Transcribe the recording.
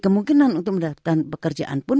kemungkinan untuk mendapatkan pekerjaan pun